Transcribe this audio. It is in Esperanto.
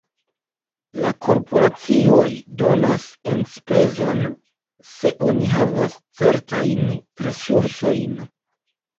La korporacioj donas enspezon, se oni havas certajn resursojn.